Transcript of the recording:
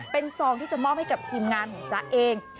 เป็นซองที่จะมอบให้กับทีมงานของจ๊ะเอง